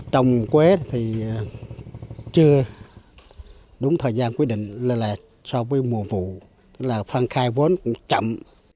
trong quế thì chưa đúng thời gian quyết định là so với mùa vụ là phan khai vốn chậm